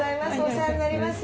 お世話になります。